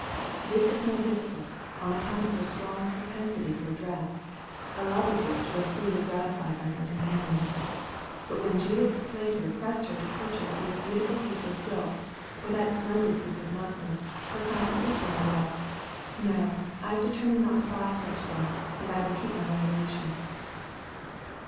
This was more difficult, on account of her strong propensity for dress, a love of which was freely gratified by her companions. But when Judith Slater pressed her to purchase this beautiful piece of silk, or that splendid piece of muslin, her constant reply was, "No, I have determined not to buy any such things, and I will keep my resolution."